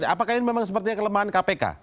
apakah ini memang sepertinya kelemahan kpk